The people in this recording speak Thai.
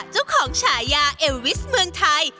เจ้าของฉายาเอวิสเมืองไทย